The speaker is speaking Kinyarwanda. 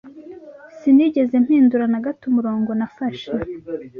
Sinigeze mpindura na gato umurongo nafashe